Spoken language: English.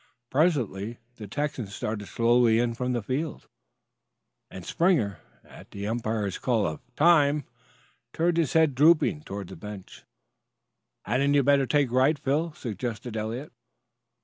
Presently the Texan started slowly in from the field, and Springer, at the umpire's call of "time," turned, his head drooping, toward the bench. "Hadn't you better take right, Phil?" suggested Eliot.